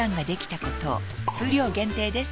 数量限定です